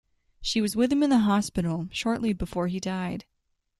She was with him in the hospital shortly before he died.